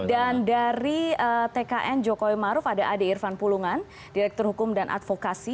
dan dari tkn jokowi maruf ada adik irfan pulungan direktur hukum dan advokasi